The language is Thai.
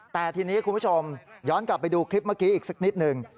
แต่ทีนี้คุณผู้ชมย้อนกลับไปดูคลิปเมื่อกี้อีกสักนิดหนึ่ง